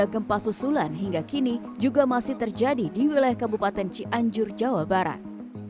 tiga ratus delapan puluh tiga gempa susulan hingga kini juga masih terjadi di wilayah kabupaten cianjur jawa barat